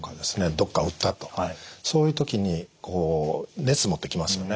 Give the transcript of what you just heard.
どっか打ったとそういう時にこう熱もってきますよね。